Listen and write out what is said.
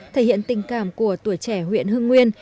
thể hiện tình cảm của tuổi trẻ huyện hưng nguyên